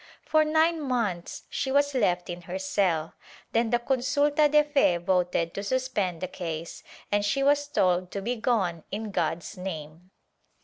For nine months she was left in her cell, then the consulta de fe voted to suspend the case and she was told to be gone in God's name.